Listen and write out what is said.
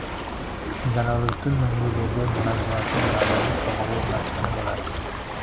Jaloliddin Manguberdi majmuasi ma’naviyat va g‘urur maskani bo‘ladi